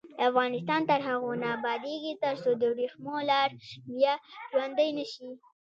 افغانستان تر هغو نه ابادیږي، ترڅو د وریښمو لار بیا ژوندۍ نشي.